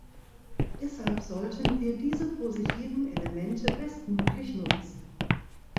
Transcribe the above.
Deshalb sollten wir diese positiven Elemente bestmöglich nutzen.